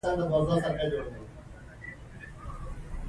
تازه مېوې او سبزۍ بدن قوي کوي.